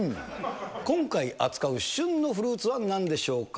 今回、扱う旬のフルーツはなんでしょうか。